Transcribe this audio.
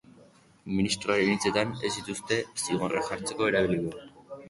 Ministroaren hitzetan, ez dituzte zigorrak jartzeko erabiliko.